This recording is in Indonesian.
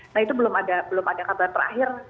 nah itu belum ada kabar terakhir